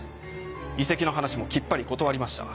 移籍の話もきっぱり断りました。